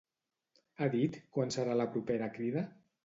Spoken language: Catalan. Ha dit quan serà la propera crida?